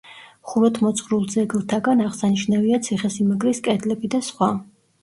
ხუროთმოძღვრულ ძეგლთაგან აღსანიშნავია ციხესიმაგრის კედლები და სხვა.